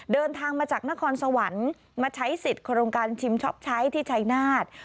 เดินทางมาจากนครสวรรค์มาใช้สิทธิ์โครงการชิมช็อปใช้ที่ชัยนาธ